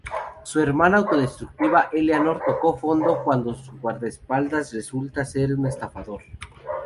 Su hermana autodestructiva Eleanor toca fondo cuando su guardaespaldas resulta ser un estafador.